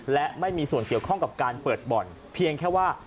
และไม่มีส่วนเกี่ยวข้องกับการเปิดบ่อนเพียงแค่ว่า